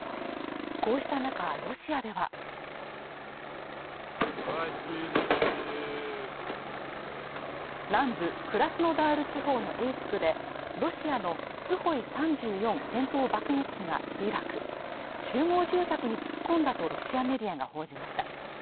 こうした中ロシアでは南部クラスノダール地方のエイスクでロシアのスホイ３４戦闘爆撃機が墜落集合住宅に突っ込んだとロシアメディアが報じました